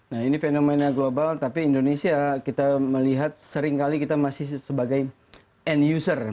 nah ini fenomena global tapi indonesia kita melihat seringkali kita masih sebagai end user